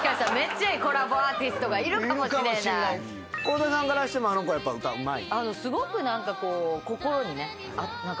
倖田さんからしてもあの子やっぱ歌うまい？